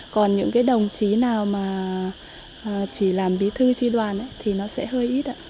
còn những cái đồng chí nào mà chỉ làm bí thư tri đoàn thì nó sẽ hơi ít ạ